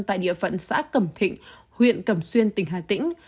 tại địa phận xã cầm thịnh huyện cầm xuyên tỉnh hà tĩnh